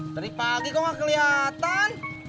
dari pagi kok gak kelihatan